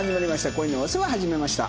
『恋のお世話始めました』。